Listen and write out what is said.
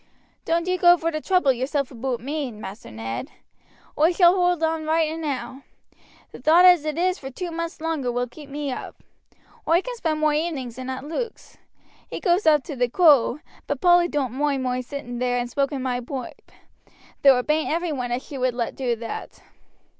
"Doan't you go vor to trouble yourself aboot me, Maister Ned. Oi shall hold on roight enow. The thought as it is for two months longer will keep me up. Oi can spend moi evenings in at Luke's. He goes off to the 'Coo,' but Polly doan't moind moi sitting there and smoking moi pipe, though it bain't every one as she would let do that."